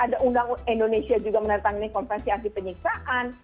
ada undang indonesia juga menentang ini konferensi anti penyiksaan